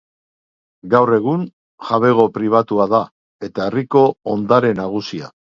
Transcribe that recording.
Gaur egun, jabego pribatua da, eta herriko ondare nagusia.